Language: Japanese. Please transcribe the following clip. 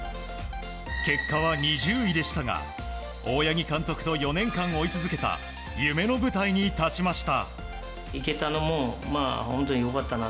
結果は２０位でしたが大八木監督と４年間追い続けた夢の舞台に立ちました。